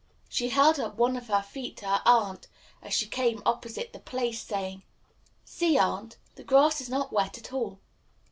She held up one of her feet to her aunt as she came opposite to the place, saying, "See, aunt, the grass is not wet at all."